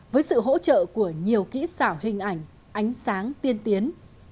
với sự hỗ trợ của nhiều kỹ xảo hình ảnh ánh sáng tiên tiến